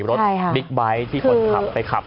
บิ๊กไบท์ที่คนขับไปขับ